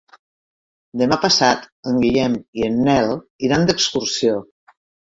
Demà passat en Guillem i en Nel iran d'excursió.